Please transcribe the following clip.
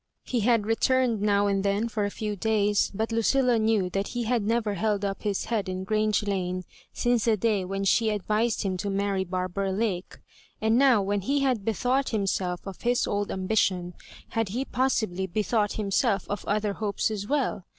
He had re turned now and then for a few days, but Lucilla knew that he had never held up his head in Grange Lane since the day when she advised him to marry Barban^ Lake. And now, when he had bethought himself of his old ambition, had he possibly bethought himself of other hopes as well